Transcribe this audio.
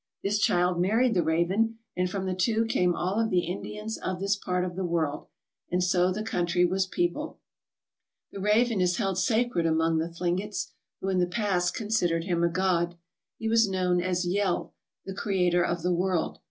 This child married the raven and from the two came all of the Indians of this part of the world, and so the country was peopled. The raven is held sacred among the Thlingets, who in the past considered him a god. He was known as Yehl, the creator of the world.